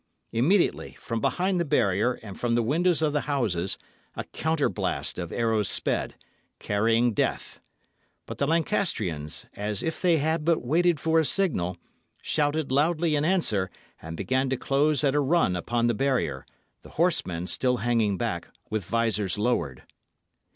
Immediately, from behind the barrier and from the windows of the houses, a counterblast of arrows sped, carrying death. But the Lancastrians, as if they had but waited for a signal, shouted loudly in answer; and began to close at a run upon the barrier, the horsemen still hanging back, with visors lowered.